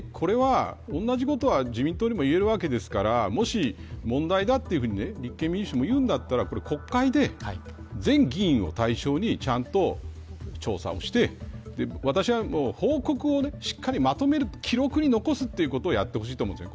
やっぱりこれは、同じことは自民党にも言えるわけですからもし問題だと立憲民主党がいうなら国会で、全議員を対象にちゃんと調査をして私は、報告をしっかりまとめる記録に残すことをやってほしいです。